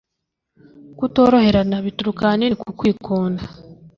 kutoroherana bituruka ahanini ku kwikunda